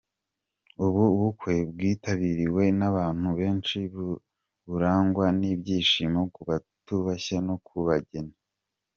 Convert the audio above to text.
Ubu bukwe bwitabiriwe n'abantu benshi burangwa n'ibyishimo ku babutashye no ku bageni.